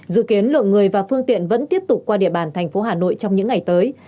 dự kiến lượng người và phương tiện vẫn tiếp tục qua địa bàn thành phố hà nội trong những ngày tới